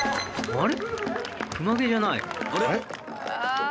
あれ？